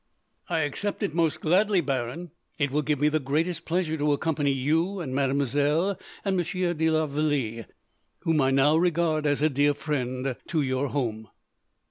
"I accept it most gladly, Baron. It will give me the greatest pleasure to accompany you, and mademoiselle, and Monsieur de la Vallee, whom I now regard as a dear friend, to your home."